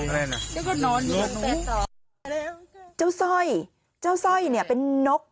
แล้วก็นอนอยู่ตั้งแต่ตอนนกจ้าวส่อยจ้าวส่อยเนี้ยเป็นนก